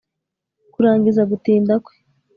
kurangiza gutinda kwe